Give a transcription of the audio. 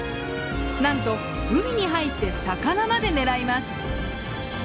なんと海に入って魚まで狙います。